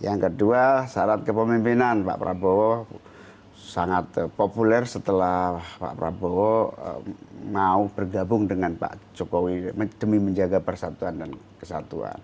yang kedua syarat kepemimpinan pak prabowo sangat populer setelah pak prabowo mau bergabung dengan pak jokowi demi menjaga persatuan dan kesatuan